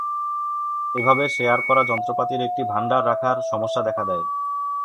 এভাবে শেয়ার করা যন্ত্রপাতির একটি ভান্ডার রাখার সমস্যা দেখা দেয়।